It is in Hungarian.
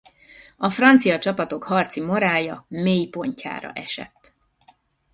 A francia csapatok harci morálja mélypontjára esett.